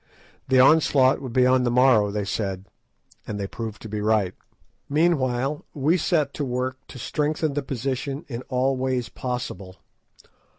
The onslaught would be on the morrow, they said, and they proved to be right. Meanwhile, we set to work to strengthen the position in all ways possible.